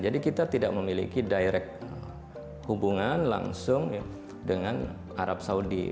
jadi kita tidak memiliki hubungan langsung dengan arab saudi